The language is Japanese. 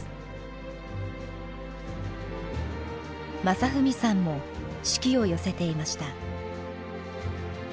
雅文さんも手記を寄せていました。